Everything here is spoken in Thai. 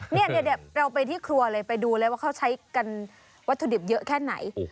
เนี่ยเดี๋ยวเราไปที่ครัวเลยไปดูเลยว่าเขาใช้กันวัตถุดิบเยอะแค่ไหน